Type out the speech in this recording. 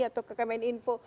atau ke kmi info